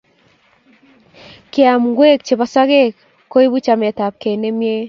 Keam ngwek chepo sokek koipu chametapkei nemie